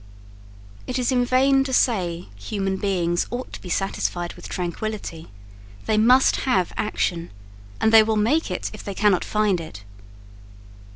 It is in vain to say human beings ought to be satisfied with tranquillity: they must have action; and they will make it if they cannot find it.